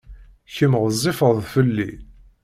Kemm ɣezzifeḍ fell-i.